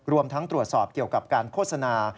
รวมทั้งตรวจสอบเกี่ยวกับการโฆษณา